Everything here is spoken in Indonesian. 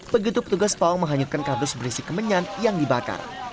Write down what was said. begitu petugas pawang menghanyutkan kardus berisi kemenyan yang dibakar